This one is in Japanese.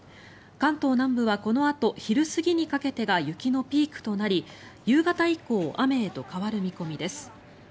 関東南部はこのあと昼過ぎにかけてが雪のピークとなり夕方以降雨へと変わる見込みです。